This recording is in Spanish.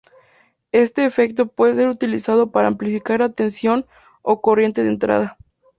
Este efecto puede ser utilizado para amplificar la tensión o corriente de entrada.